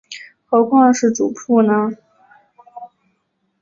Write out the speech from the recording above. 何况是主簿呢？